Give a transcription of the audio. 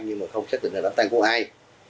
nhưng mà không xác định là đám tan của ai